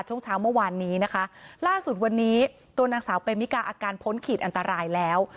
ช่วงเช้าเมื่อวานนี้นะคะล่าสุดวันนี้ตัวนางสาวเปมิกาอาการพ้นขีดอันตรายแล้ว